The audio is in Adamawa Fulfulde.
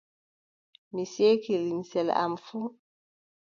Mi seeki limce am fuu.